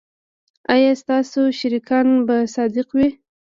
ایا ستاسو شریکان به صادق وي؟